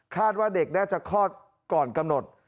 ว่าเด็กน่าจะคลอดก่อนกำหนด